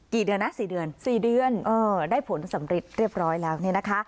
กี่เดือนนะ๔เดือนได้ผลสำเร็จเรียบร้อยแล้วนี่นะคะ